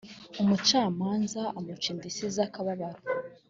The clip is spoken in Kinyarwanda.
umucamanza amuca indishyi z’akababaro